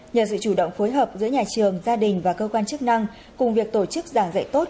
nhờ sự chủ động phối hợp giữa nhà trường gia đình và cơ quan chức năng cùng việc tổ chức giảng dạy tốt